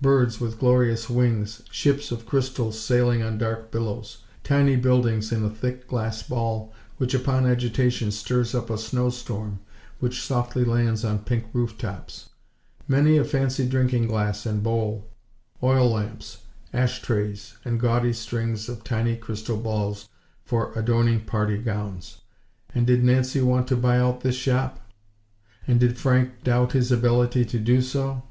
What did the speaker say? Birds with glorious wings, ships of crystal sailing on dark billows, tiny buildings in a thick glass ball which upon agitation, stirs up a snowstorm which softly lands on pink roof tops; many a fancy drinking glass and bowl, oil lamps, ash trays, and gaudy strings of tiny crystal balls for adorning party gowns. And did Nancy want to buy out this shop? And did Frank doubt his ability to do so?